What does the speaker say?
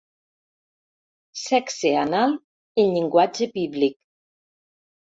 Sexe anal en llenguatge bíblic.